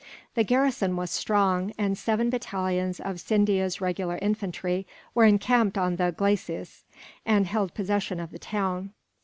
The garrison was strong, and seven battalions of Scindia's regular infantry were encamped on the glacis, and held possession of the town.